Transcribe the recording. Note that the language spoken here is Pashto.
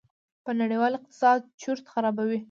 په نړېوال اقتصاد چورت خرابوي.